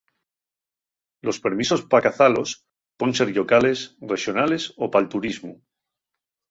Los permisos pa cazalos puen ser llocales, rexonales o pal turismu.